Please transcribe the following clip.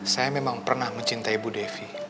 saya memang pernah mencintai ibu devi